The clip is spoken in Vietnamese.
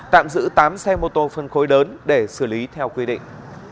tạm giữ tám xe mô tô phân khối lớn để xử lý theo quy định